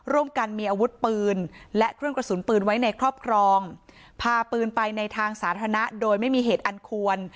ร่วมกันมีอาวุธปืนและเครื่องกระสุนปืนไว้ในครอบครองพาปืนไปในทางสาธารณะโดยไม่มีเหตุอันควร